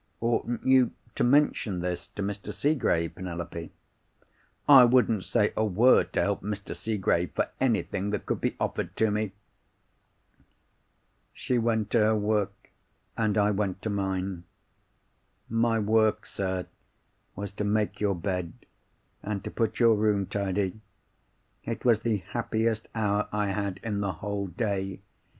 "'Oughtn't you to mention this to Mr. Seegrave, Penelope?' "'I wouldn't say a word to help Mr. Seegrave for anything that could be offered to me!' "She went to her work, and I went to mine." "My work, sir, was to make your bed, and to put your room tidy. It was the happiest hour I had in the whole day.